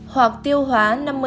hoặc tiêu hóa năm mươi